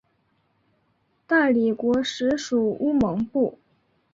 大理国时属乌蒙部。